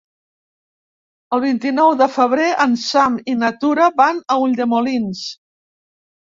El vint-i-nou de febrer en Sam i na Tura van a Ulldemolins.